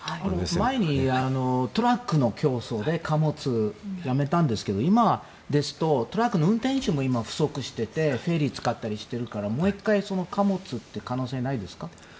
前にトラックの競争で貨物をやめたんですけど今ですと、トラックの運転手も今、不足しててフェリーを使ったりしてるからもう１回貨物っていう可能性はないですか。